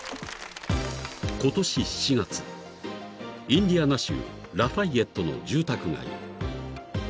［今年７月インディアナ州ラファイエットの住宅街］